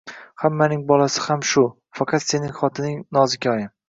Hammaning bolasi ham shu, faqat sening xotining nozikoyim